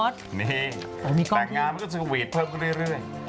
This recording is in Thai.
แต่งงานมันก็จะเวียดเพิ่มกันเรื่อย